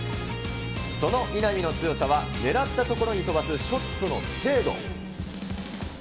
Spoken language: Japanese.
その稲見の強さは狙った所に飛ばすショットの精度。